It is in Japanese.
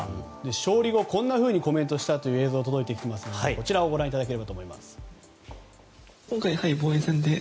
勝利後、こんなふうにコメントしたという映像が届いていますのでこちらをご覧ください。